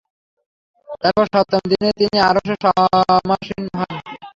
তারপর সপ্তম দিনে তিনি আরশে সমাসীন হন।